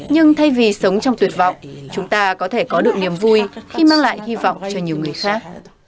nhưng thay vì sống trong tuyệt vọng chúng ta có thể có được niềm vui khi mang lại hy vọng cho nhiều người khác